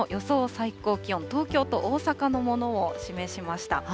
最高気温、東京と大阪のものを示しました。